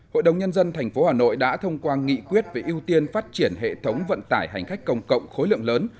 hội đồng nhân dân tp hà nội đã thông qua nghị quyết về ưu tiên phát triển hệ thống vận tải hành khách công cộng khối lượng lớn